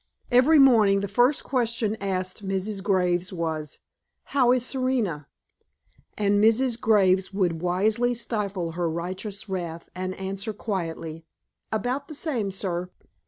Every morning the first question asked Mrs. Graves was: "How is Serena?" And Mrs. Graves would wisely stifle her righteous wrath and answer quietly: "About the same, sir."